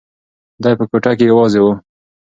دی په کوټه کې یوازې و.